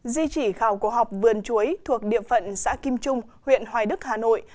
di chỉ khảo cổ học vườn chuối thuộc địa phận xã kim trung huyện hoài đức hà nội